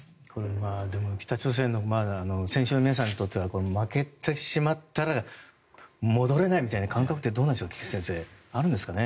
でも北朝鮮の選手の皆さんにとっては負けてしまったら戻れないみたいな感覚ってどうなんでしょう、菊地先生あるんでしょうかね。